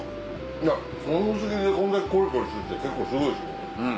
いやこの薄切りでこんだけコリコリしてるって結構すごいですね。